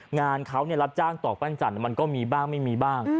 งานเขารับจ้างต่อปั้นจันทร์มันก็มีบ้างไม่มีบ้าง